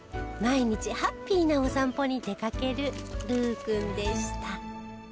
毎日ハッピーなお散歩に出かけるルーくんでした